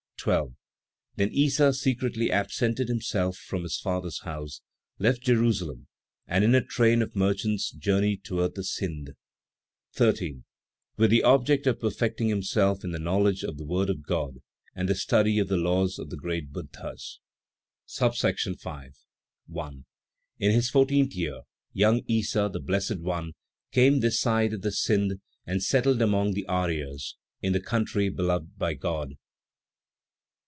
12. Then Issa secretly absented himself from his father's house; left Jerusalem, and, in a train of merchants, journeyed toward the Sindh, 13. With the object of perfecting himself in the knowledge of the word of God and the study of the laws of the great Buddhas. V. 1. In his fourteenth year, young Issa, the Blessed One, came this side of the Sindh and settled among the Aryas, in the country beloved by God.